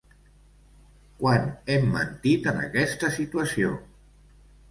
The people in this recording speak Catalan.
Quan hem mentit en aquesta situació?